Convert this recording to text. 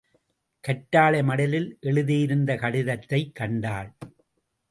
கற்றாழை மடலில் எழுதியிருந்த கடிதத்தைக் கண்டாள்.